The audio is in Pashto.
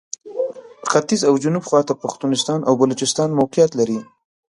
ختیځ او جنوب خواته پښتونستان او بلوچستان موقعیت لري.